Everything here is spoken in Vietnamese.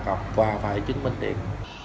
đặt cọc và phải chứng minh tiền